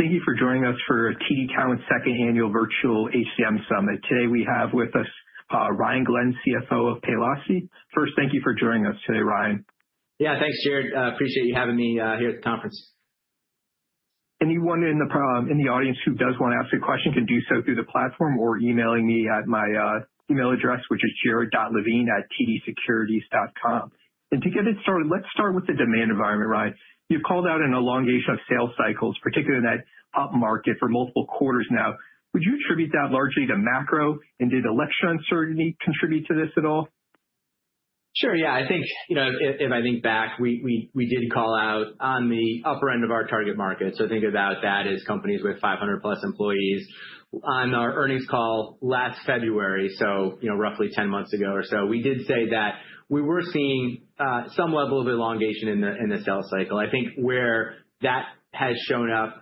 Thank you for joining us for TD Cowen's second annual virtual HCM Summit. Today we have with us Ryan Glenn, CFO of Paylocity. First, thank you for joining us today, Ryan. Yeah, thanks, Jared. Appreciate you having me here at the conference. Anyone in the audience who does want to ask a question can do so through the platform or emailing me at my email address, which is jared.levine@tdsecurities.com. And to get it started, let's start with the demand environment, Ryan. You've called out an elongation of sales cycles, particularly in that upmarket for multiple quarters now. Would you attribute that largely to macro, and did election uncertainty contribute to this at all? Sure, yeah. I think, you know, if I think back, we did call out on the upper end of our target market. So think about that as companies with 500-plus employees. On our earnings call last February, so, you know, roughly 10 months ago or so, we did say that we were seeing some level of elongation in the sales cycle. I think where that has shown up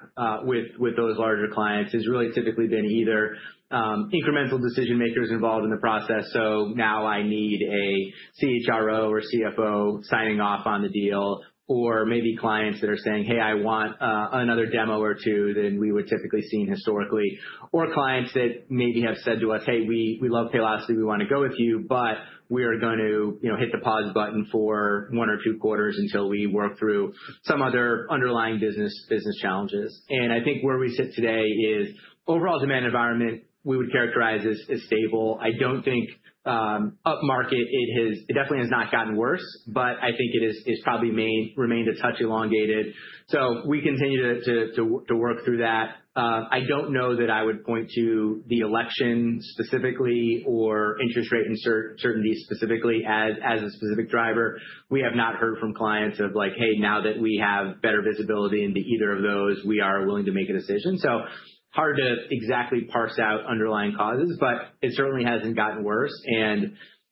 with those larger clients has really typically been either incremental decision-makers involved in the process. So now I need a CHRO or CFO signing off on the deal, or maybe clients that are saying, "Hey, I want another demo or two," than we would typically have seen historically. Or clients that maybe have said to us, "Hey, we love Paylocity. We want to go with you, but we are going to hit the pause button for one or two quarters until we work through some other underlying business challenges," and I think where we sit today is overall demand environment, we would characterize as stable. I don't think up market, it definitely has not gotten worse, but I think it has probably remained a touch elongated, so we continue to work through that. I don't know that I would point to the election specifically or interest rate uncertainty specifically as a specific driver. We have not heard from clients of like, "Hey, now that we have better visibility into either of those, we are willing to make a decision," so hard to exactly parse out underlying causes, but it certainly hasn't gotten worse.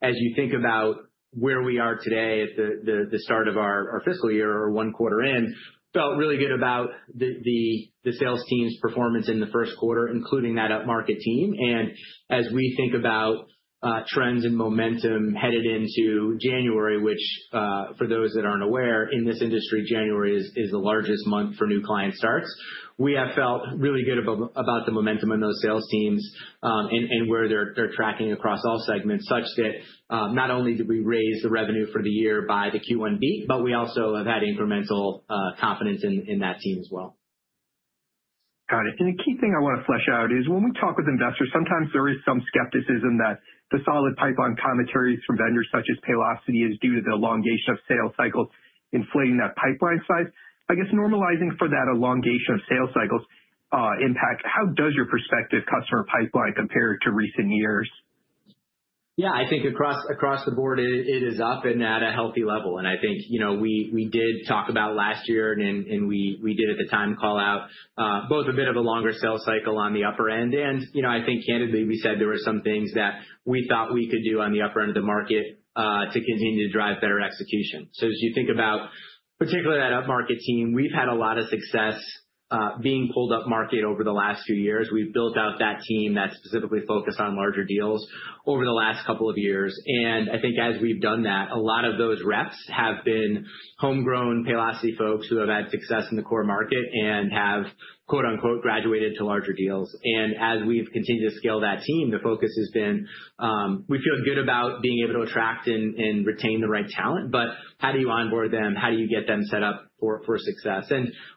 As you think about where we are today at the start of our fiscal year or one quarter in, felt really good about the sales team's performance in the first quarter, including that up market team. As we think about trends and momentum headed into January, which, for those that aren't aware, in this industry, January is the largest month for new client starts, we have felt really good about the momentum in those sales teams and where they're tracking across all segments, such that not only did we raise the revenue for the year by the Q1 beat, but we also have had incremental confidence in that team as well. Got it. And a key thing I want to flesh out is when we talk with investors, sometimes there is some skepticism that the solid pipeline commentaries from vendors such as Paylocity is due to the elongation of sales cycles inflating that pipeline size. I guess normalizing for that elongation of sales cycles impact, how does your prospective customer pipeline compare to recent years? Yeah, I think across the board it is up and at a healthy level. And I think, you know, we did talk about last year, and we did at the time call out both a bit of a longer sales cycle on the upper end. And, you know, I think candidly we said there were some things that we thought we could do on the upper end of the market to continue to drive better execution. So as you think about particularly that up market team, we've had a lot of success being pulled up market over the last few years. We've built out that team that's specifically focused on larger deals over the last couple of years. And I think as we've done that, a lot of those reps have been homegrown Paylocity folks who have had success in the core market and have "graduated" to larger deals. As we've continued to scale that team, the focus has been we feel good about being able to attract and retain the right talent, but how do you onboard them? How do you get them set up for success?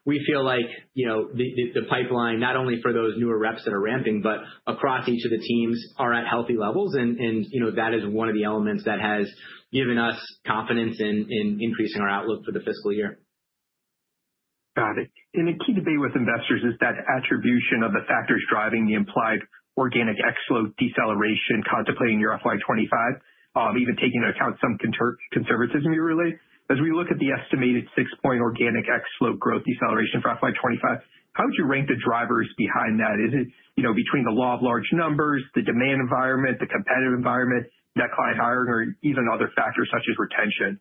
We feel like, you know, the pipeline, not only for those newer reps that are ramping, but across each of the teams are at healthy levels. You know, that is one of the elements that has given us confidence in increasing our outlook for the fiscal year. Got it. And a key debate with investors is the attribution of the factors driving the implied organic revenue deceleration contemplated for your FY25, even taking into account some conservatism you alluded to. As we look at the estimated six-point organic revenue growth deceleration for FY25, how would you rank the drivers behind that? Is it, you know, between the law of large numbers, the demand environment, the competitive environment, the client hiring, or even other factors such as retention?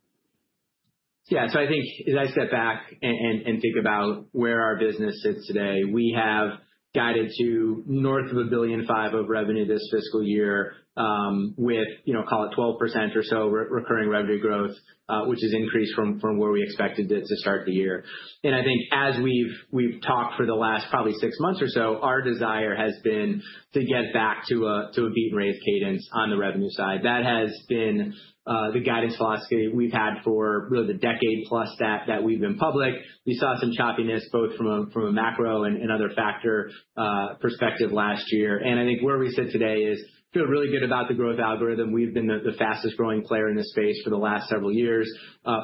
Yeah, so I think as I step back and think about where our business sits today, we have guided to north of $1.005 billion in revenue this fiscal year with, you know, call it 12% or so recurring revenue growth, which has increased from where we expected it to start the year. I think as we've talked for the last probably six months or so, our desire has been to get back to a beat and raise cadence on the revenue side. That has been the guidance philosophy we've had for really the decade plus that we've been public. We saw some choppiness both from a macro and other factor perspective last year. I think where we sit today, we feel really good about the growth algorithm. We've been the fastest growing player in this space for the last several years.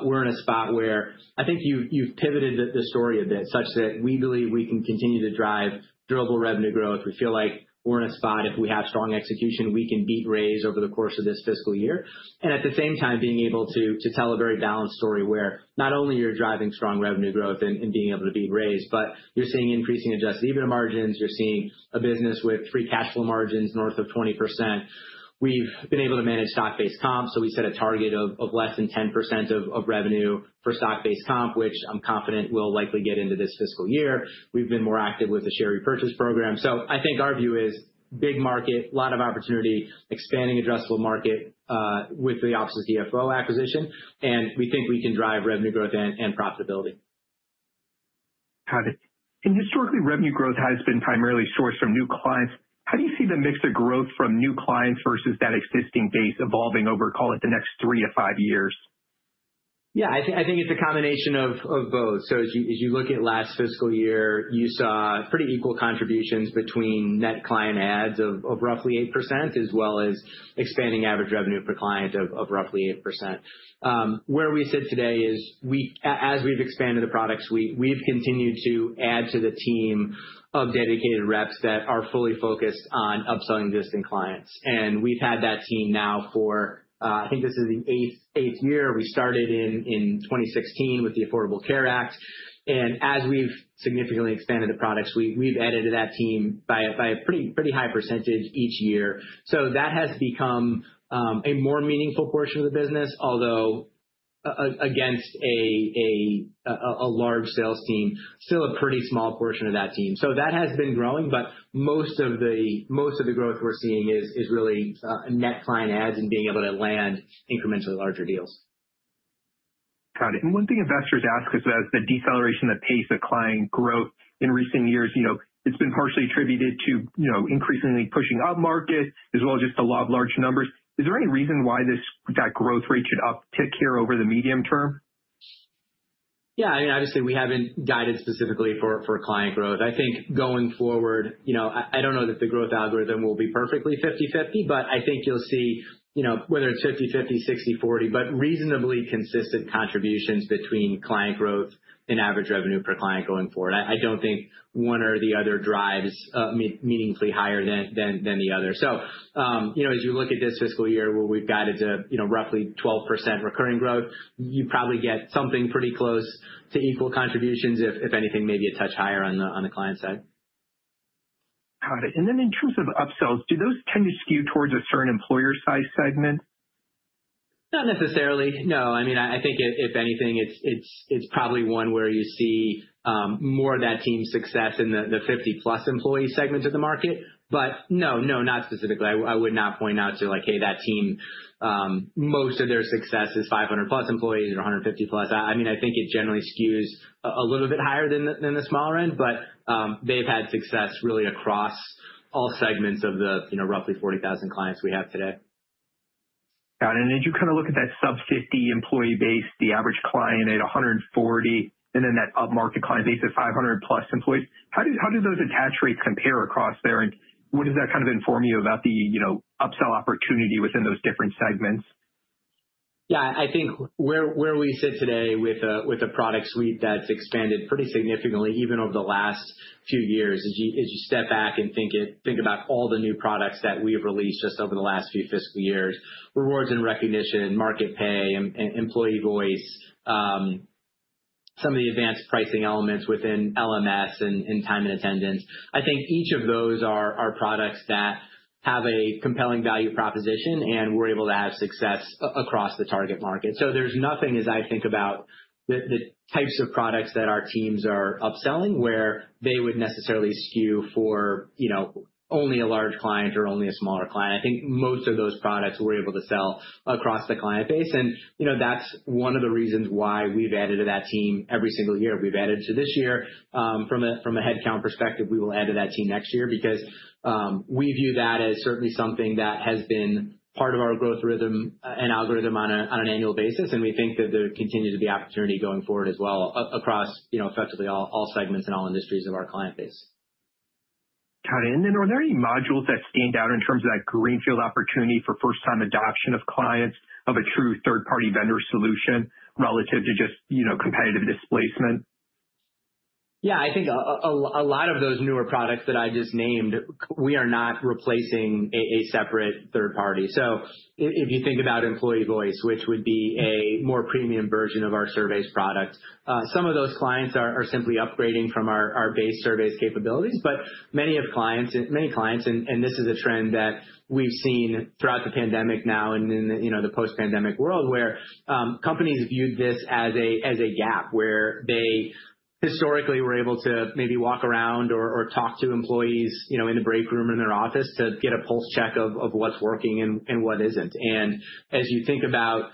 We're in a spot where I think you've pivoted the story a bit such that we believe we can continue to drive durable revenue growth. We feel like we're in a spot if we have strong execution, we can beat and raise over the course of this fiscal year, and at the same time, being able to tell a very balanced story where not only are you driving strong revenue growth and being able to beat raise, but you're seeing increasing adjusted EBITDA margins. You're seeing a business with free cash flow margins north of 20%. We've been able to manage stock-based comp, so we set a target of less than 10% of revenue for stock-based comp, which I'm confident will likely get into this fiscal year. We've been more active with the share repurchase program. So I think our view is big market, a lot of opportunity, expanding addressable market with the Office of the CFO acquisition, and we think we can drive revenue growth and profitability. Got it. And historically, revenue growth has been primarily sourced from new clients. How do you see the mix of growth from new clients versus that existing base evolving over, call it, the next three to five years? Yeah, I think it's a combination of both. So as you look at last fiscal year, you saw pretty equal contributions between net client adds of roughly 8%, as well as expanding average revenue per client of roughly 8%. Where we sit today is, as we've expanded the products, we've continued to add to the team of dedicated reps that are fully focused on upselling existing clients. And we've had that team now for, I think this is the eighth year. We started in 2016 with the Affordable Care Act. And as we've significantly expanded the products, we've added to that team by a pretty high percentage each year. So that has become a more meaningful portion of the business, although against a large sales team, still a pretty small portion of that team. So that has been growing, but most of the growth we're seeing is really net client adds and being able to land incrementally larger deals. Got it. And one thing investors ask is, as the deceleration in Paylocity's client growth in recent years, you know, it's been partially attributed to, you know, increasingly pushing upmarket, as well as just the law of large numbers. Is there any reason why that growth rate should uptick here over the medium term? Yeah, I mean, obviously, we haven't guided specifically for client growth. I think going forward, you know, I don't know that the growth algorithm will be perfectly 50/50, but I think you'll see, you know, whether it's 50/50, 60/40, but reasonably consistent contributions between client growth and average revenue per client going forward. I don't think one or the other drives meaningfully higher than the other. So, you know, as you look at this fiscal year, where we've guided to, you know, roughly 12% recurring growth, you probably get something pretty close to equal contributions, if anything, maybe a touch higher on the client side. Got it, and then in terms of upsells, do those tend to skew towards a certain employer-sized segment? Not necessarily, no. I mean, I think if anything, it's probably one where you see more of that team's success in the 50-plus employee segment of the market. But no, no, not specifically. I would not point out to like, hey, that team, most of their success is 500+employees or 150-plus. I mean, I think it generally skews a little bit higher than the smaller end, but they've had success really across all segments of the, you know, roughly 40,000 clients we have today. Got it. And as you kind of look at that sub-50 employee base, the average client at 140, and then that up market client base at 500-plus employees, how do those attach rates compare across there? And what does that kind of inform you about the, you know, upsell opportunity within those different segments? Yeah, I think where we sit today with a product suite that's expanded pretty significantly even over the last few years, as you step back and think about all the new products that we've released just over the last few fiscal years, Rewards and Recognition, Market Pay, Employee Voice, some of the advanced pricing elements within LMS and Time and Attendance, I think each of those are products that have a compelling value proposition, and we're able to have success across the target market, so there's nothing, as I think about the types of products that our teams are upselling, where they would necessarily skew for, you know, only a large client or only a smaller client. I think most of those products we're able to sell across the client base, and you know, that's one of the reasons why we've added to that team every single year. We've added to this year. From a headcount perspective, we will add to that team next year because we view that as certainly something that has been part of our growth rhythm and algorithm on an annual basis, and we think that there continues to be opportunity going forward as well across, you know, effectively all segments and all industries of our client base. Got it. And then are there any modules that stand out in terms of that greenfield opportunity for first-time adoption of clients of a true third-party vendor solution relative to just, you know, competitive displacement? Yeah, I think a lot of those newer products that I just named, we are not replacing a separate third party. So if you think about Employee Voice, which would be a more premium version of our surveys product, some of those clients are simply upgrading from our base surveys capabilities. But many of clients, and this is a trend that we've seen throughout the pandemic now and in the, you know, the post-pandemic world, where companies viewed this as a gap, where they historically were able to maybe walk around or talk to employees, you know, in the break room in their office to get a pulse check of what's working and what isn't. As you think about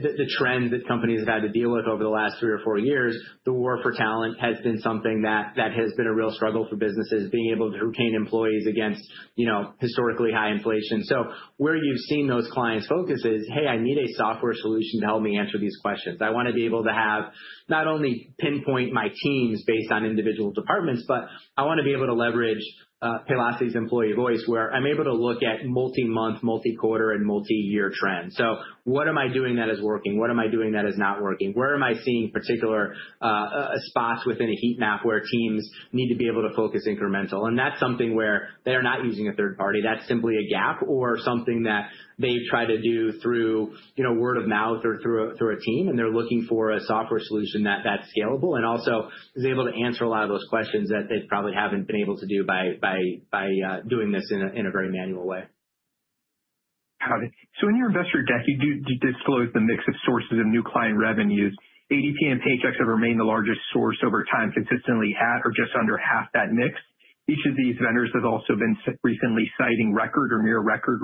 the trend that companies have had to deal with over the last three or four years, the war for talent has been something that has been a real struggle for businesses, being able to retain employees against, you know, historically high inflation. So where you've seen those clients focus is, hey, I need a software solution to help me answer these questions. I want to be able to have not only pinpoint my teams based on individual departments, but I want to be able to leverage Paylocity's Employee Voice, where I'm able to look at multi-month, multi-quarter, and multi-year trends. So what am I doing that is working? What am I doing that is not working? Where am I seeing particular spots within a heat map where teams need to be able to focus incremental? That's something where they are not using a third party. That's simply a gap or something that they've tried to do through, you know, word of mouth or through a team, and they're looking for a software solution that's scalable and also is able to answer a lot of those questions that they probably haven't been able to do by doing this in a very manual way. Got it. So in your investor deck, you do disclose the mix of sources of new client revenues. ADP and Paychex have remained the largest source over time, consistently at or just under half that mix. Each of these vendors has also been recently citing record or near record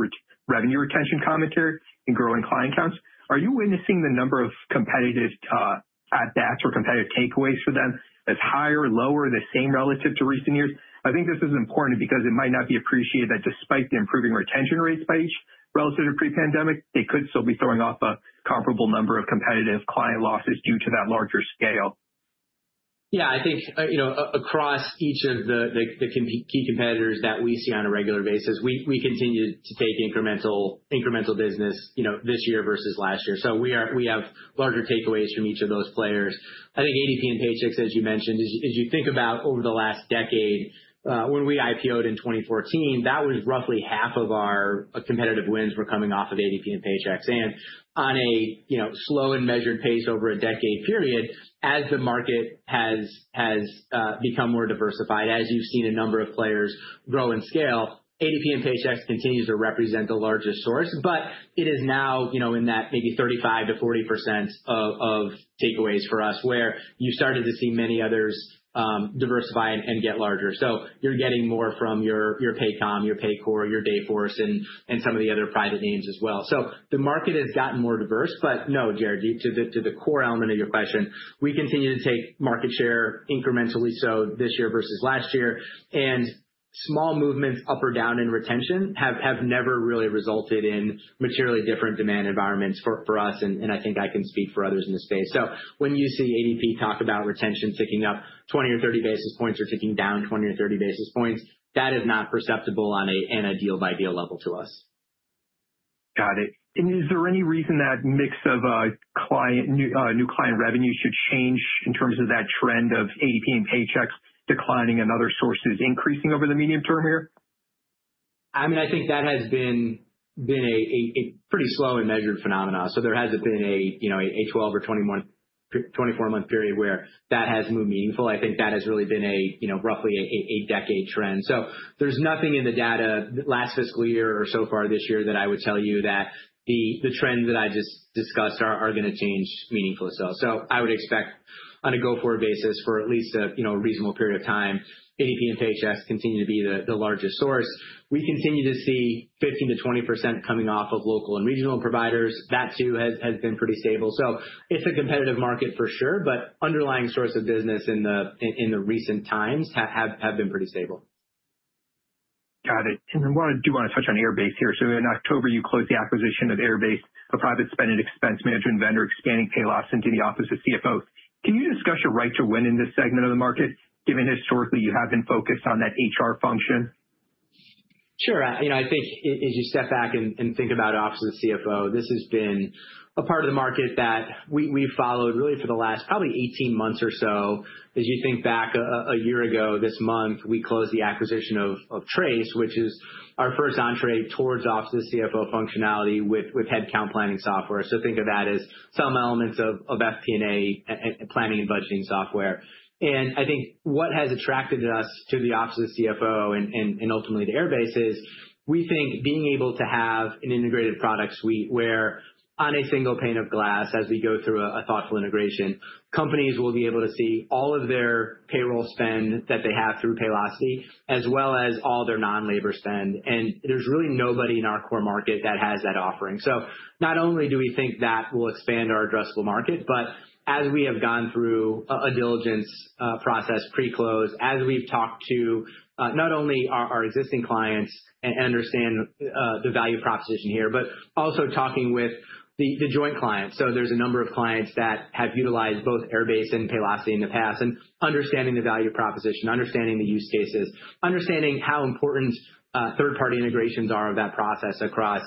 revenue retention commentary and growing client counts. Are you witnessing the number of competitive at-bats or competitive takeaways for them as higher, lower, the same relative to recent years? I think this is important because it might not be appreciated that despite the improving retention rates by each relative to pre-pandemic, they could still be throwing off a comparable number of competitive client losses due to that larger scale. Yeah, I think, you know, across each of the key competitors that we see on a regular basis, we continue to take incremental business, you know, this year versus last year, so we have larger takeaways from each of those players. I think ADP and Paychex, as you mentioned, as you think about over the last decade, when we IPO'd in 2014, that was roughly half of our competitive wins were coming off of ADP and Paychex, and on a, you know, slow and measured pace over a decade period, as the market has become more diversified, as you've seen a number of players grow and scale, ADP and Paychex continues to represent the largest source, but it is now, you know, in that maybe 35%-40% of takeaways for us, where you've started to see many others diversify and get larger. You're getting more from your Paycom, your Paycor, your Dayforce, and some of the other private names as well. The market has gotten more diverse. But no, Jared, to the core element of your question, we continue to take market share incrementally so this year versus last year. Small movements up or down in retention have never really resulted in materially different demand environments for us. I think I can speak for others in this space. When you see ADP talk about retention ticking up 20 or 30 basis points or ticking down 20 or 30 basis points, that is not perceptible on a deal-by-deal level to us. Got it. And is there any reason that mix of new client revenue should change in terms of that trend of ADP and Paychex declining and other sources increasing over the medium term here? I mean, I think that has been a pretty slow and measured phenomenon. So there hasn't been a, you know, a 12 or 24-month period where that has moved meaningful. I think that has really been a, you know, roughly a decade trend. So there's nothing in the data last fiscal year or so far this year that I would tell you that the trends that I just discussed are going to change meaningfully. So I would expect on a go-forward basis for at least a reasonable period of time, ADP and Paychex continue to be the largest source. We continue to see 15%-20% coming off of local and regional providers. That too has been pretty stable. So it's a competitive market for sure, but underlying source of business in the recent times have been pretty stable. Got it. And then I do want to touch on Airbase here. So in October, you closed the acquisition of Airbase, a private spend and expense management vendor expanding Paylocity into the Office of the CFO. Can you discuss your right to win in this segment of the market, given historically you have been focused on that HR function? Sure. You know, I think as you step back and think about Office of the CFO, this has been a part of the market that we've followed really for the last probably 18 months or so. As you think back a year ago, this month, we closed the acquisition of Trace, which is our first entree towards Office of the CFO functionality with headcount planning software, so think of that as some elements of FP&A planning and budgeting software, and I think what has attracted us to the Office of the CFO and ultimately to Airbase is we think being able to have an integrated product suite where on a single pane of glass, as we go through a thoughtful integration, companies will be able to see all of their payroll spend that they have through Paylocity, as well as all their non-labor spend. And there's really nobody in our core market that has that offering. So not only do we think that will expand our addressable market, but as we have gone through a diligence process pre-close, as we've talked to not only our existing clients and understand the value proposition here, but also talking with the joint clients. So there's a number of clients that have utilized both Airbase and Paylocity in the past and understanding the value proposition, understanding the use cases, understanding how important third-party integrations are of that process across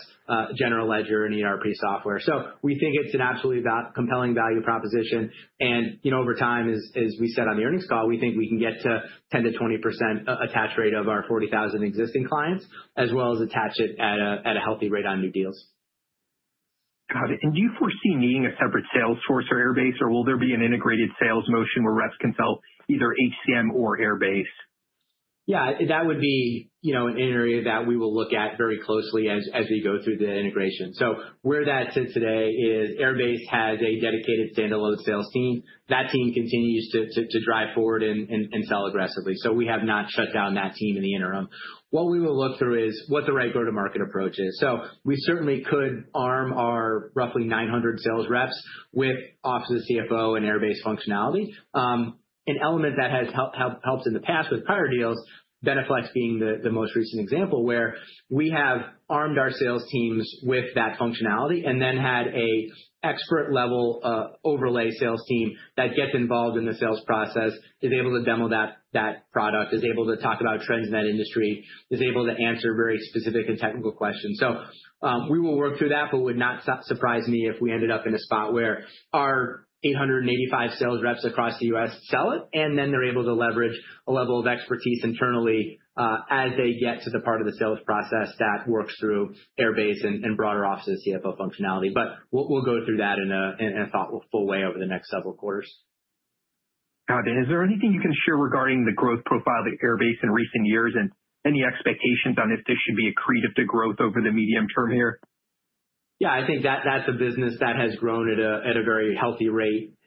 general ledger and ERP software. So we think it's an absolutely compelling value proposition. And, you know, over time, as we said on the earnings call, we think we can get to 10%-20% attach rate of our 40,000 existing clients, as well as attach it at a healthy rate on new deals. Got it. And do you foresee needing a separate sales force for Airbase, or will there be an integrated sales motion where reps can sell either HCM or Airbase? Yeah, that would be, you know, an area that we will look at very closely as we go through the integration. So where that sits today is Airbase has a dedicated standalone sales team. That team continues to drive forward and sell aggressively. So we have not shut down that team in the interim. What we will look through is what the right go-to-market approach is. So we certainly could arm our roughly 900 sales reps with office of CFO and Airbase functionality. An element that has helped in the past with prior deals, BeneFLEX being the most recent example, where we have armed our sales teams with that functionality and then had an expert-level overlay sales team that gets involved in the sales process, is able to demo that product, is able to talk about trends in that industry, is able to answer very specific and technical questions. So we will work through that, but would not surprise me if we ended up in a spot where our 885 sales reps across the U.S. sell it, and then they're able to leverage a level of expertise internally as they get to the part of the sales process that works through Airbase and broader Office of the CFO functionality. But we'll go through that in a thoughtful way over the next several quarters. Got it. Is there anything you can share regarding the growth profile of Airbase in recent years and any expectations on if this should be accretive to growth over the medium term here? Yeah, I think that that's a business that has grown at a very healthy rate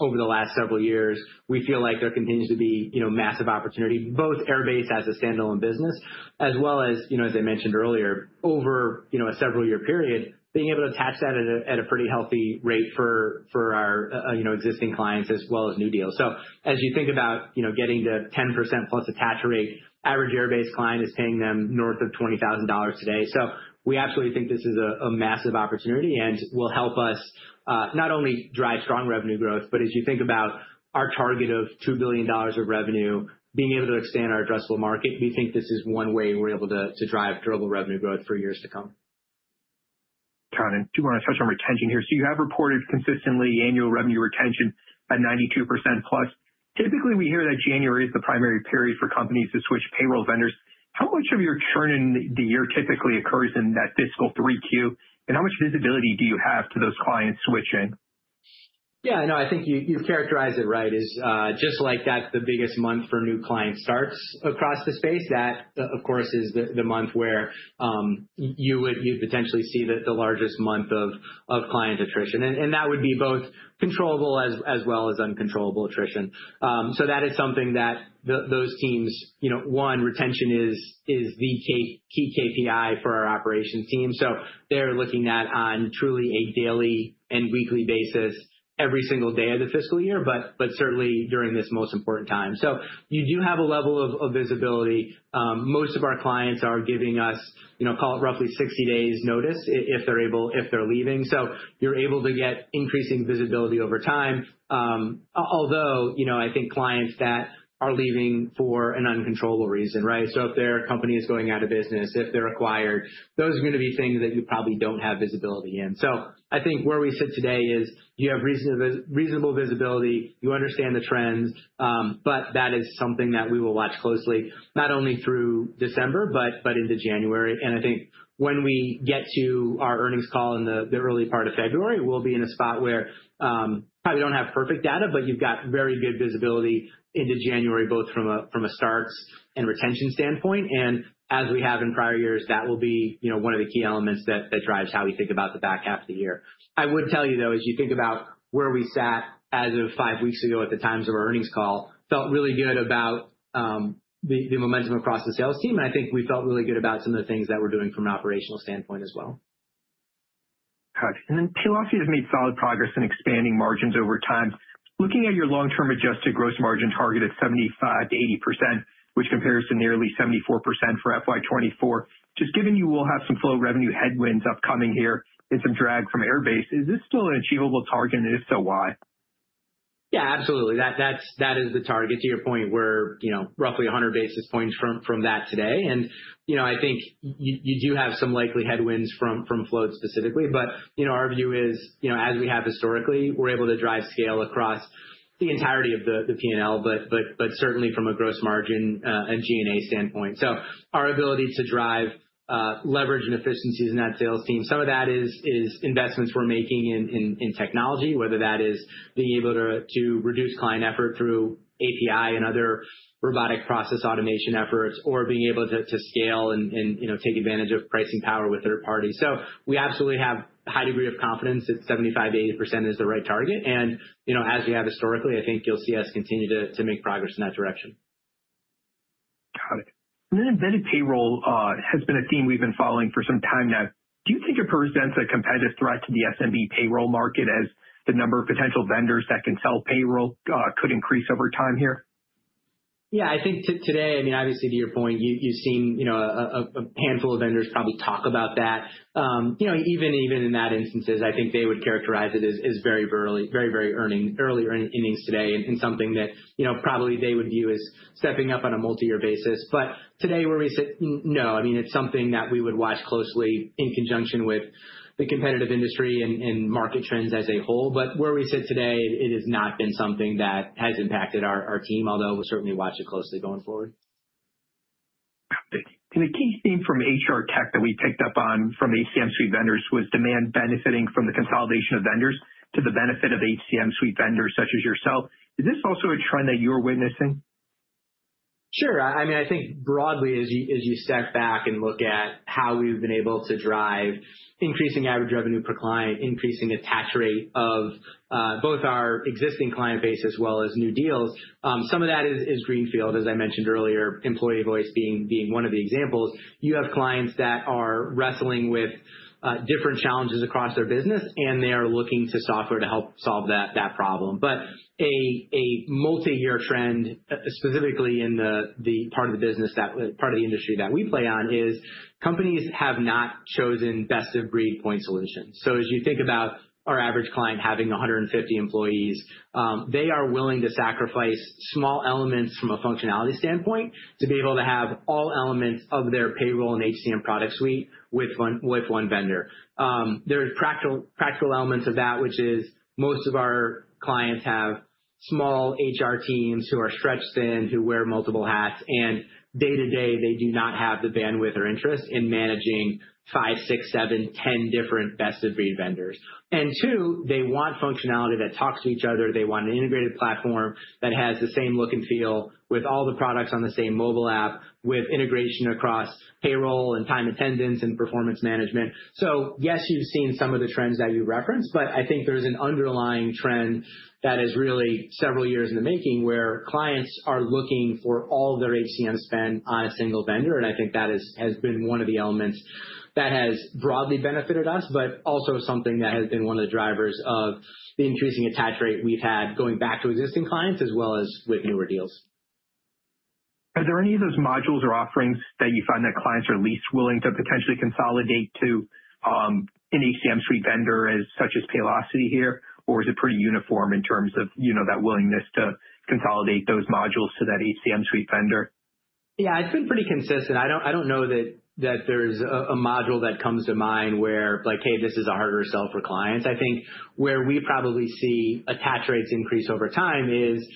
over the last several years. We feel like there continues to be, you know, massive opportunity, both Airbase as a standalone business, as well as, you know, as I mentioned earlier, over, you know, a several-year period, being able to attach that at a pretty healthy rate for our, you know, existing clients as well as new deals. So as you think about, you know, getting to 10% plus attach rate, average Airbase client is paying them north of $20,000 today. So we absolutely think this is a massive opportunity and will help us not only drive strong revenue growth, but as you think about our target of $2 billion of revenue, being able to expand our addressable market, we think this is one way we're able to drive durable revenue growth for years to come. Got it. Do you want to touch on retention here? So you have reported consistently annual revenue retention at 92% +. Typically, we hear that January is the primary period for companies to switch payroll vendors. How much of your churn in the year typically occurs in that fiscal Q3? And how much visibility do you have to those clients switching? Yeah, no, I think you've characterized it right. It is just like that's the biggest month for new client starts across the space. That, of course, is the month where you would potentially see the largest month of client attrition. And that would be both controllable as well as uncontrollable attrition. So that is something that those teams, you know, one, retention is the key KPI for our operations team. So they're looking at on truly a daily and weekly basis, every single day of the fiscal year, but certainly during this most important time. So you do have a level of visibility. Most of our clients are giving us, you know, call it roughly 60 days notice if they're leaving. So you're able to get increasing visibility over time, although, you know, I think clients that are leaving for an uncontrollable reason, right? So if their company is going out of business, if they're acquired, those are going to be things that you probably don't have visibility in. So I think where we sit today is you have reasonable visibility, you understand the trends, but that is something that we will watch closely, not only through December, but into January. And I think when we get to our earnings call in the early part of February, we'll be in a spot where probably don't have perfect data, but you've got very good visibility into January, both from a starts and retention standpoint. And as we have in prior years, that will be, you know, one of the key elements that drives how we think about the back half of the year. I would tell you, though, as you think about where we sat as of five weeks ago at the times of our earnings call, felt really good about the momentum across the sales team, and I think we felt really good about some of the things that we're doing from an operational standpoint as well. Got it. And then Paylocity has made solid progress in expanding margins over time. Looking at your long-term adjusted gross margin target at 75%-80%, which compares to nearly 74% for FY24, just given you will have some float revenue headwinds upcoming here and some drag from Airbase, is this still an achievable target and if so, why? Yeah, absolutely. That is the target to your point where, you know, roughly 100 basis points from that today. And, you know, I think you do have some likely headwinds from float specifically. But, you know, our view is, you know, as we have historically, we're able to drive scale across the entirety of the P&L, but certainly from a gross margin and G&A standpoint. So our ability to drive leverage and efficiencies in that sales team, some of that is investments we're making in technology, whether that is being able to reduce client effort through API and other robotic process automation efforts, or being able to scale and take advantage of pricing power with third parties. So we absolutely have a high degree of confidence that 75%-80% is the right target. You know, as we have historically, I think you'll see us continue to make progress in that direction. Got it. And then embedded payroll has been a theme we've been following for some time now. Do you think it presents a competitive threat to the SMB payroll market as the number of potential vendors that can sell payroll could increase over time here? Yeah, I think today, I mean, obviously to your point, you've seen, you know, a handful of vendors probably talk about that. You know, even in those instances, I think they would characterize it as very early, very, very early earnings today and something that, you know, probably they would view as stepping up on a multi-year basis. But today where we sit, no, I mean, it's something that we would watch closely in conjunction with the competitive industry and market trends as a whole. But where we sit today, it has not been something that has impacted our team, although we'll certainly watch it closely going forward. Got it. A key theme from HR tech that we picked up on from HCM Suite vendors was demand benefiting from the consolidation of vendors to the benefit of HCM Suite vendors such as yourself. Is this also a trend that you're witnessing? Sure. I mean, I think broadly, as you step back and look at how we've been able to drive increasing average revenue per client, increasing attach rate of both our existing client base as well as new deals, some of that is greenfield, as I mentioned earlier, Employee Voice being one of the examples. You have clients that are wrestling with different challenges across their business, and they are looking to software to help solve that problem. But a multi-year trend, specifically in the part of the business, that part of the industry that we play on is companies have not chosen best of breed point solutions. So as you think about our average client having 150 employees, they are willing to sacrifice small elements from a functionality standpoint to be able to have all elements of their payroll and HCM product suite with one vendor. There are practical elements of that, which is most of our clients have small HR teams who are stretched thin, who wear multiple hats, and day to day, they do not have the bandwidth or interest in managing five, six, seven, 10 different best of breed vendors. And two, they want functionality that talks to each other. They want an integrated platform that has the same look and feel with all the products on the same mobile app, with integration across payroll and time attendance and performance management. So yes, you've seen some of the trends that you referenced, but I think there's an underlying trend that is really several years in the making where clients are looking for all of their HCM spend on a single vendor. I think that has been one of the elements that has broadly benefited us, but also something that has been one of the drivers of the increasing attach rate we've had going back to existing clients as well as with newer deals. Are there any of those modules or offerings that you find that clients are least willing to potentially consolidate to an HCM Suite vendor such as Paylocity here, or is it pretty uniform in terms of, you know, that willingness to consolidate those modules to that HCM Suite vendor? Yeah, it's been pretty consistent. I don't know that there's a module that comes to mind where, like, hey, this is a harder sell for clients. I think where we probably see attach rates increase over time is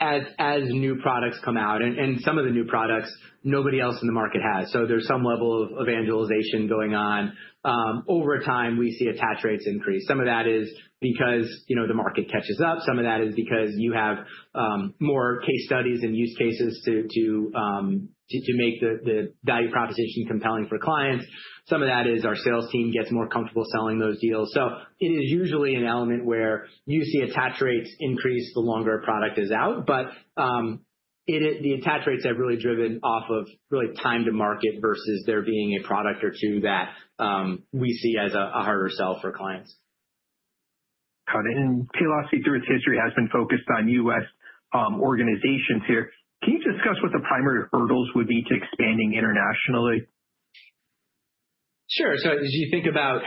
as new products come out, and some of the new products nobody else in the market has. So there's some level of evangelization going on. Over time, we see attach rates increase. Some of that is because, you know, the market catches up. Some of that is because you have more case studies and use cases to make the value proposition compelling for clients. Some of that is our sales team gets more comfortable selling those deals. So it is usually an element where you see attach rates increase the longer a product is out, but the attach rates have really driven off of really time to market versus there being a product or two that we see as a harder sell for clients. Got it. And Paylocity, through its history, has been focused on U.S. organizations here. Can you discuss what the primary hurdles would be to expanding internationally? Sure. So as you think about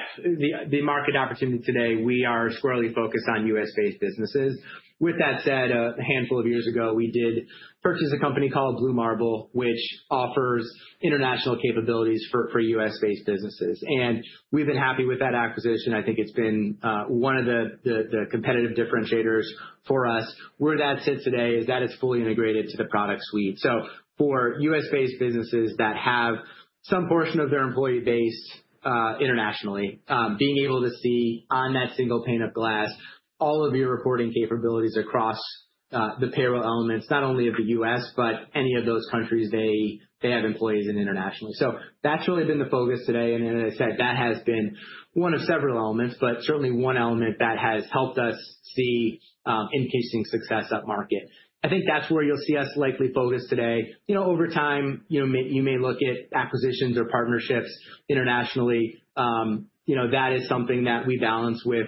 the market opportunity today, we are squarely focused on U.S.-based businesses. With that said, a handful of years ago, we did purchase a company called Blue Marble, which offers international capabilities for U.S.-based businesses, and we've been happy with that acquisition. I think it's been one of the competitive differentiators for us. Where that sits today is that it's fully integrated to the product suite, so for U.S.-based businesses that have some portion of their employee base internationally, being able to see on that single pane of glass all of your reporting capabilities across the payroll elements, not only of the U.S., but any of those countries they have employees in internationally, so that's really been the focus today, and as I said, that has been one of several elements, but certainly one element that has helped us see increasing success up market. I think that's where you'll see us likely focused today. You know, over time, you may look at acquisitions or partnerships internationally. You know, that is something that we balance with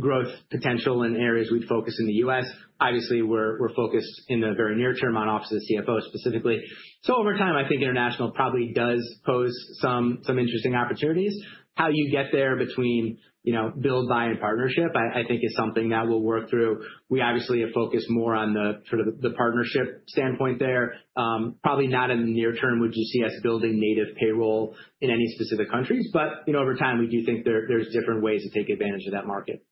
growth potential in areas we'd focus in the US. Obviously, we're focused in the very near term on Office of the CFO specifically. So over time, I think international probably does pose some interesting opportunities. How you get there between, you know, build, buy, and partnership, I think is something that we'll work through. We obviously have focused more on the sort of the partnership standpoint there. Probably not in the near term would you see us building native payroll in any specific countries. But, you know, over time, we do think there's different ways to take advantage of that market.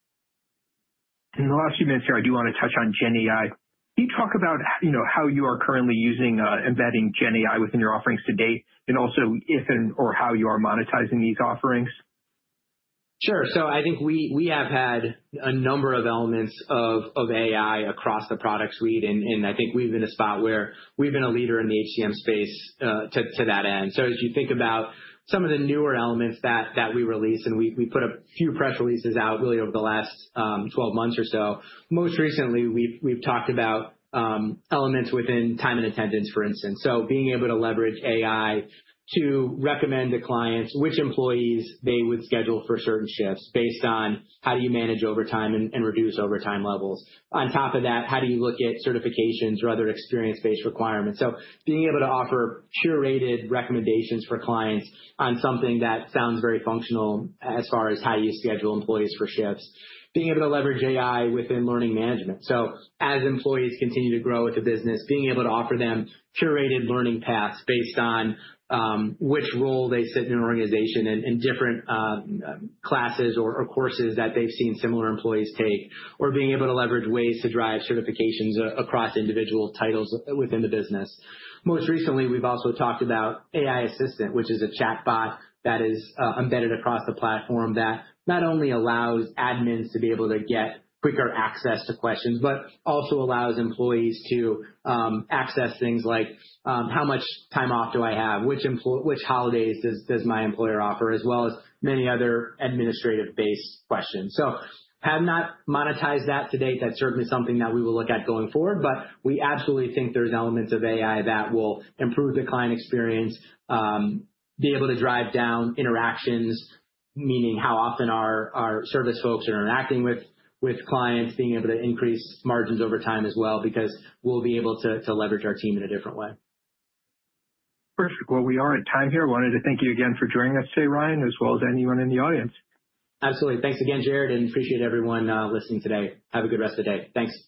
In the last few minutes here, I do want to touch on GenAI. Can you talk about, you know, how you are currently using embedding GenAI within your offerings today and also if and or how you are monetizing these offerings? Sure. So I think we have had a number of elements of AI across the product suite. And I think we've been a spot where we've been a leader in the HCM space to that end. So as you think about some of the newer elements that we release, and we put a few press releases out really over the last 12 months or so. Most recently, we've talked about elements within Time and Attendance, for instance. So being able to leverage AI to recommend to clients which employees they would schedule for certain shifts based on how do you manage overtime and reduce overtime levels? On top of that, how do you look at certifications or other experience-based requirements? So being able to offer curated recommendations for clients on something that sounds very functional as far as how you schedule employees for shifts. Being able to leverage AI within Learning Management, so as employees continue to grow with the business, being able to offer them curated learning paths based on which role they sit in an organization and different classes or courses that they've seen similar employees take, or being able to leverage ways to drive certifications across individual titles within the business. Most recently, we've also talked about AI Assistant, which is a chatbot that is embedded across the platform that not only allows admins to be able to get quicker access to questions, but also allows employees to access things like how much time off do I have, which holidays does my employer offer, as well as many other administrative-based questions, so have not monetized that to date. That's certainly something that we will look at going forward, but we absolutely think there's elements of AI that will improve the client experience, be able to drive down interactions, meaning how often our service folks are interacting with clients, being able to increase margins over time as well, because we'll be able to leverage our team in a different way. Perfect. Well, we are at time here. I wanted to thank you again for joining us today, Ryan, as well as anyone in the audience. Absolutely. Thanks again, Jared, and appreciate everyone listening today. Have a good rest of the day. Thanks.